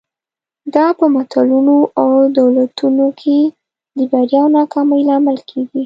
دا په ملتونو او دولتونو کې د بریا او ناکامۍ لامل کېږي.